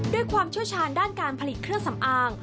ด้วยความเชี่ยวชาญด้านการผลิตเครื่องสำอาง